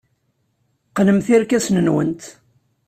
Qqnemt irkasen-nwent.